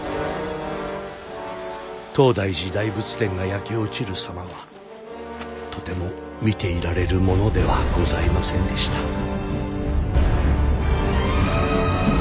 「東大寺大仏殿が焼け落ちる様はとても見ていられるものではございませんでした」。